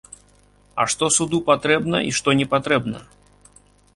А што суду патрэбна і што непатрэбна?